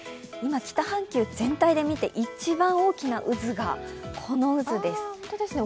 今、北半球全体で見て一番大きな渦がこの渦です。